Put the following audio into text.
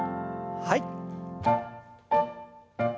はい。